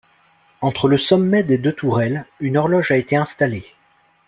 Entre le sommet des deux tourelles, une horloge a été installée.